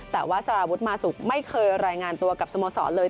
แต่ว่าสารวุฒิมาสุกไม่เคยรายงานตัวกับสโมสรเลย